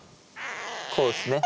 こうですね。